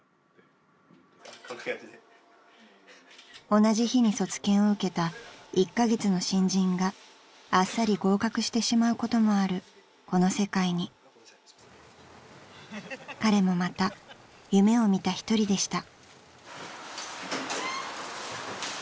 ［同じ日に卒検を受けた１カ月の新人があっさり合格してしまうこともあるこの世界に彼もまた夢を見た一人でした］